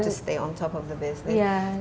tetap di atas bisnis